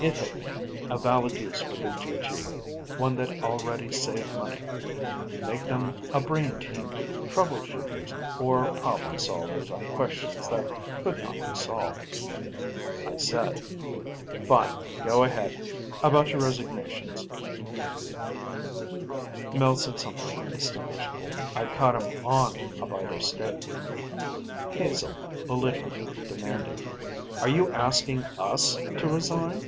It hit me: a valid use for the GG, one that already saved money. Make them a brain team, trouble shooters, or problem solvers on questions that could not be solved. I said, "Fine, go ahead. About your resignations " Mel said something indistinguishable I'd caught him on a bite of steak. Hazel, belligerent, demanded: "Are you asking us to resign?"